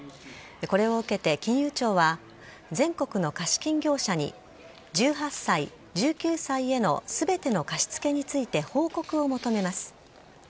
これを受けて金融庁は全国の貸金業者に１８歳、１９歳への全ての貸し付けについて報告を求めます。